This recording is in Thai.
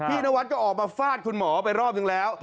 นวัดก็ออกมาฟาดคุณหมอไปรอบนึงแล้ว